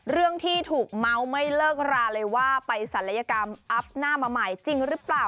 เรื่องที่ถูกเมาส์ไม่เลิกราเลยว่าไปศัลยกรรมอัพหน้ามาใหม่จริงหรือเปล่า